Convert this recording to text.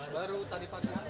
baru tadi pagi